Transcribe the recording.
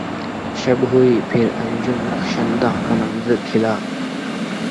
شب ہوئی پھر انجم رخشندہ کا منظر کھلا